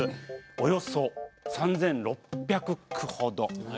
およそ３６００句程。